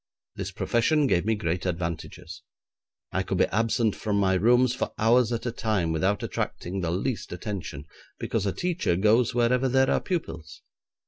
This profession gave me great advantages. I could be absent from my rooms for hours at a time without attracting the least attention, because a teacher goes wherever there are pupils.